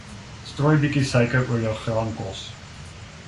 Strooi bietjie suiker oor jou graankos.